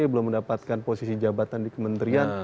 belum mendapatkan posisi jabatan di kementerian